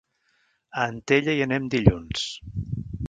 A Antella hi anem dilluns.